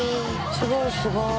すごいすごい。